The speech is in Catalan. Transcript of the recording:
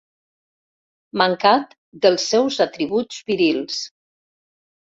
Mancat dels seus atributs virils.